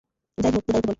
যাই হোক, তোর দাদুকে বল!